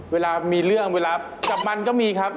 เวลามีเรื่องเวลากับมันก็มีครับ